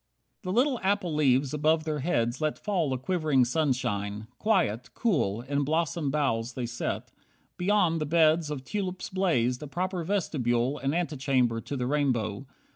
31 The little apple leaves above their heads Let fall a quivering sunshine. Quiet, cool, In blossomed boughs they sat. Beyond, the beds Of tulips blazed, a proper vestibule And antechamber to the rainbow.